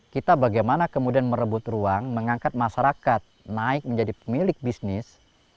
kita bagaimana kemudian merebut ruang mengangkat masyarakat naik menjadi pemilik bisnis